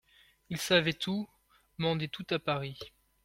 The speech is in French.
Il savait tout, mandait tout à Paris.